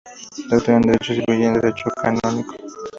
Doctor en Derecho Civil y en Derecho Canónico.